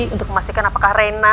untuk memastikan apakah rena